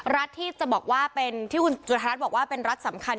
รัฐที่จะบอกว่าเป็นที่คุณจุธารัฐบอกว่าเป็นรัฐสำคัญ